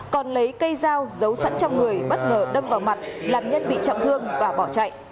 còn lấy cây dao giấu sẵn trong người bất ngờ đâm vào mặt làm nhân bị trọng thương và bỏ chạy